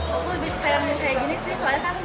aku lebih suka yang begini sih soalnya kan